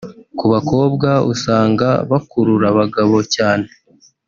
Ku bakobwa usanga bakurura abagabo cyane